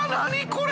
これ。